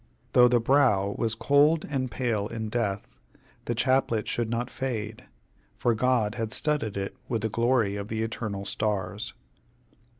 Though the brow was cold and pale in death, the chaplet should not fade, for God had studded it with the glory of the eternal stars.